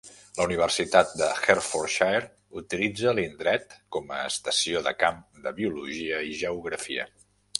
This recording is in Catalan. La Universitat de Hertfordshire utilitza l'indret com a estació de camp de biologia i geografia.